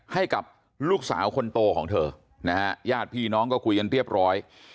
ให้กับลูกสาวคนโตของเธอนะฮะญาติพี่น้องก็คุยกันเรียบร้อย